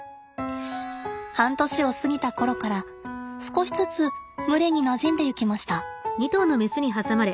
半年を過ぎたころから少しずつ群れになじんでいきました。